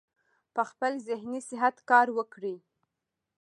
پۀ خپل ذهني صحت کار وکړي -